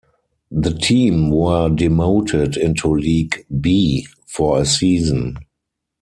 The team were demoted into League "B" for a season.